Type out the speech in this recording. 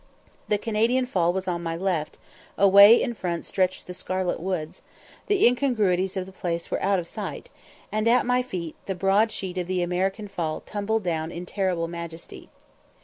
The Canadian Fall was on my left; away in front stretched the scarlet woods; the incongruities of the place were out of sight; and at my feet the broad sheet of the American Fall tumbled down in terrible majesty.